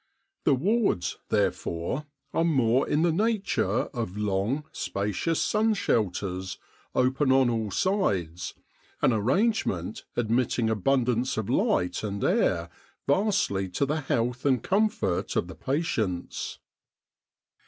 The wards, therefore, are more in the nature of long, spacious sun shelters open on all sides an arrangement admitting abundance of light and air vastly to the health and comfort of the patients.